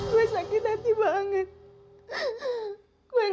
gue sakit hati banget ren